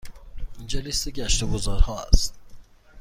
اینجا لیست گشت و گذار ها است.